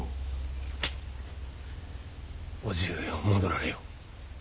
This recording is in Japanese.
叔父上は戻られよ。